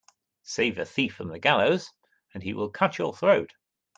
Save a thief from the gallows and he will cut your throat.